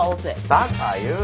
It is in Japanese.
バカ言うな。